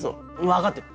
分かってる。